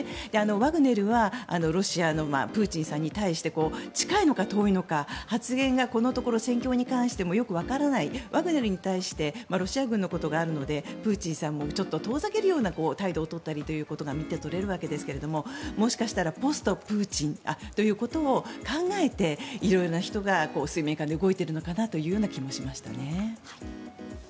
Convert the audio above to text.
ワグネルはロシアのプーチンさんに対して近いのか遠いのか発言がこのところ戦況に関してもよくわからないワグネルに対してロシア軍のことがあるのでプーチンさんも遠ざけるような態度を取ったりということが見て取れるわけですがもしかしたらポストプーチンということを考えて色んな人が水面下で動いている気がしました。